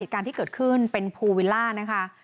การที่เกิดขึ้นเป็นภูวิลล่านะคะ